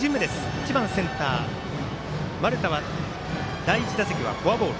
１番センター、丸田は第１打席はフォアボール。